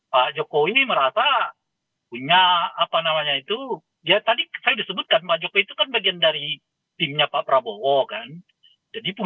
pak jokowi merasa punya apa namanya itu ya tadi saya disebutkan pak jokowi itu kan bagian dari timnya pak prabowo kan